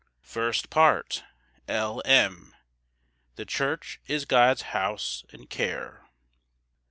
First Part. L. M. The church is God's house and care.